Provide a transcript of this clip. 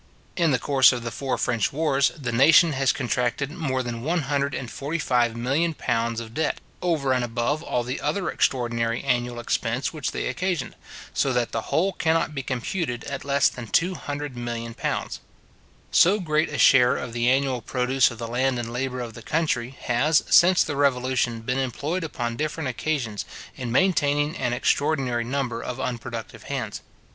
In the course of the four French wars, the nation has contracted more than £145,000,000 of debt, over and above all the other extraordinary annual expense which they occasioned; so that the whole cannot be computed at less than £200,000,000. So great a share of the annual produce of the land and labour of the country, has, since the Revolution, been employed upon different occasions, in maintaining an extraordinary number of unproductive hands.